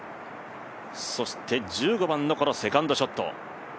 そしてこの１５番のセカンドショット。